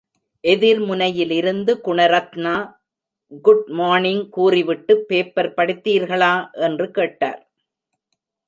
எதிர் முனையிலிருந்து Gunaratna good morning கூறிவிட்டு, பேப்பர் படித்தீர்களா? என்று கேட்டார்.